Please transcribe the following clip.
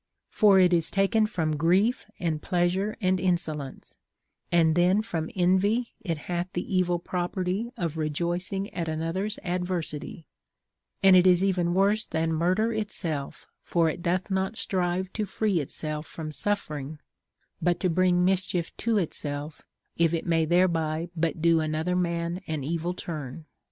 For it is taken from grief and pleasure and insolence ; and then from envy it hath the evil property of rejoicing at another's adversity ; and it is even worse than murder itself, for it doth not strive to free itself from suf fering, but to bring mischief to itself, if it may thereby but do another man an evil turn.